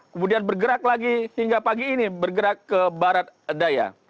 kemudian bergerak lagi hingga pagi ini bergerak ke barat daya